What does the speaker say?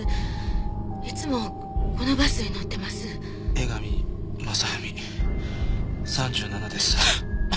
江上昌史３７です。